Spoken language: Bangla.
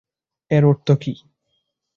এর অর্থ কি?